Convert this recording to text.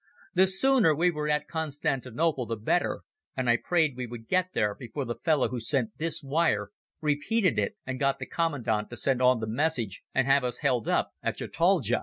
The sooner we were at Constantinople the better, and I prayed we would get there before the fellow who sent this wire repeated it and got the commandant to send on the message and have us held up at Chataldja.